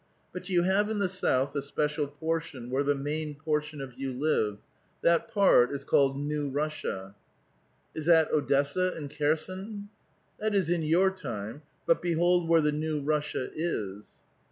But you have in the south a special portion where the main lX)rtion of you live. That part is called New Russia." " Is tiiat Odessa and Kherson?" "That is in your time; but behold where the New Russia is."